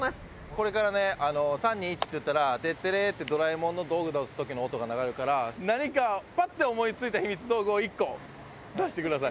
これからね３２１って言ったら「テッテレー」って『ドラえもん』の道具出す時の音が流れるから何かパッて思い付いたひみつ道具を１個出してください。